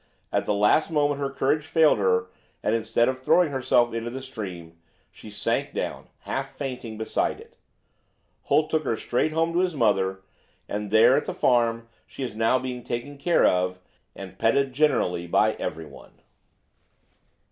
at the last moment her courage failed her, and instead of throwing herself into the stream, she sank down, half fainting, beside it. Holt took her straight home to his mother, and there, at the farm, she is now, being taken care of and petted generally by everyone."